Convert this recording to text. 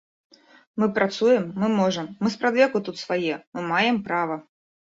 Мы працуем, мы можам, мы спрадвеку тут свае, мы маем права.